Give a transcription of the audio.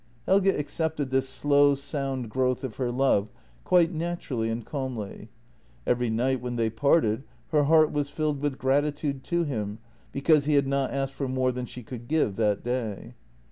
Helge accepted this slow, sound growth of her love quite naturally and calmly. Every night when they parted her heart was filled with gratitude to him, because he had not asked for more than she could give that day.